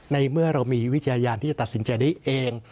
ในเมื่อเรามีวิทยานที่จะตัดสินใจได้เอง